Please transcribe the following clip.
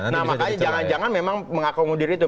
nah makanya jangan jangan memang mengakung diri itu